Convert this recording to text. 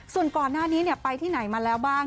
ส่วนก่อนหน้านี้ไปที่ไหนมาแล้วบ้าง